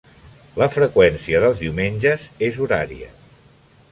La freqüència dels diumenges és horària.